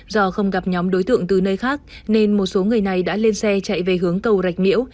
do không gặp nhóm đối tượng từ nơi khác nên một số người này đã lên xe chạy về hướng cầu rạch miễu